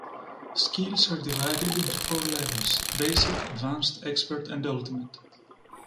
Skills are divided into four levels: Basic, Advanced, Expert, and Ultimate.